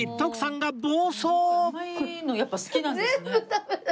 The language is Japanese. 甘いのやっぱ好きなんですね。